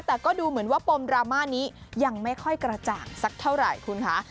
แต่ก็ดูเหมือนว่าปมดราม่านี้ยังไม่ค่อยกระจ่างสักเท่าไหร่คุณค่ะ